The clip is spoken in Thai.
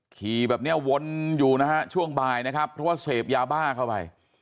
ขี่แบบเนี้ยวนอยู่นะฮะช่วงบ่ายนะครับเพราะว่าเสพยาบ้าเข้าไป